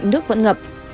nước vẫn ngập